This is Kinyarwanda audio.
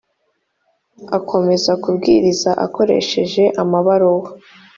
akomeza kubwiriza akoresheje amabaruwa